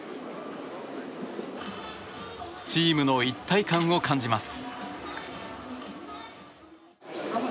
チームの一体感を感じます。